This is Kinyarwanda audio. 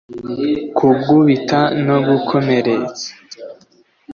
kugubita no gukomeretsa